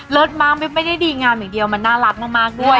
มากไม่ได้ดีงามอย่างเดียวมันน่ารักมากด้วย